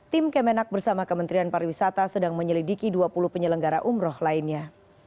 tim kemenak bersama kementerian pariwisata sedang menyelidiki dua puluh penyelenggara umroh lainnya